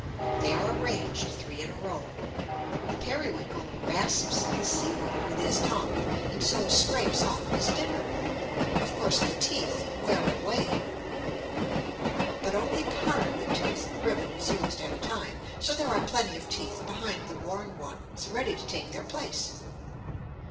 They are arranged three in a row. The Periwinkle rasps the seaweed with his tongue, and so scrapes off his dinner. Of course the teeth wear away. [Illustration: COWRIES.] But only part of the toothed ribbon is used at a time, so there are plenty of teeth behind the worn ones, ready to take their place.